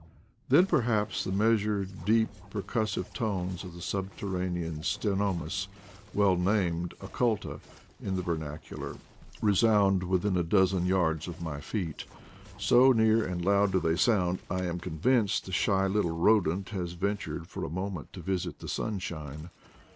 Then, perhaps, the measured, deep, percussive tones of the subterranean Ctenomys, well named ocuLUl in the vernacular, resound within a dozen yards of my feet. So near and loud do they sound, I am convinced the shy little rodent has ventured for a moment to visit the sunshine.